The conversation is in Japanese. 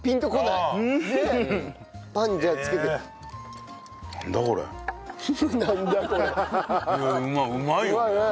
いやうまいうまいよね。